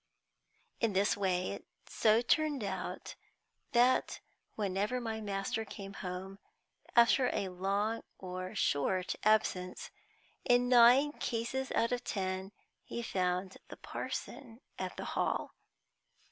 In this way it so turned out that whenever my master came home, after a long or short absence, in nine cases out of ten he found the parson at the Hall.